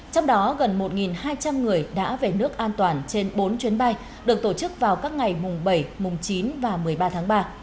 trong đó gần một hai trăm linh người đã về nước an toàn trên bốn chuyến bay được tổ chức vào các ngày mùng bảy mùng chín và một mươi ba tháng ba